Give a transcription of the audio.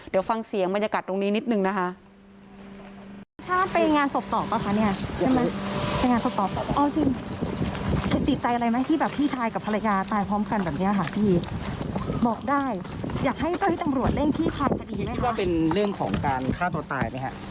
เดี๋ยวฟังเสียงบรรยากาศตรงนี้นิดนึงนะคะ